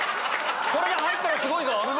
これで入ったらすごいぞ！